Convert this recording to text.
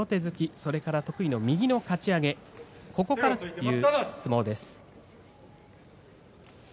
それから得意の右のかち上げここからという相撲です。